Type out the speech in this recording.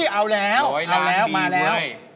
เอาแล้วมาแล้ว